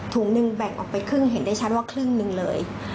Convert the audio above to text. หนึ่งแบ่งออกไปครึ่งเห็นได้ชัดว่าครึ่งหนึ่งเลย